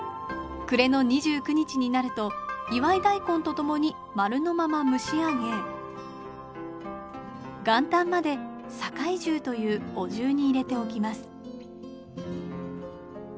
暮れの２９日になると祝い大根と共に丸のまま蒸し上げ元旦まで堺重というお重に入れておきます。